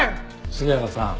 杉原さん。